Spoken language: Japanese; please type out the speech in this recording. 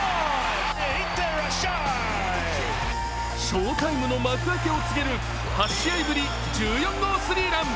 翔タイムの幕開けを告げる８試合ぶり１４号スリーラン。